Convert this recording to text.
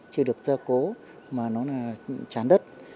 chưa được gia cố mà nó là tràn đất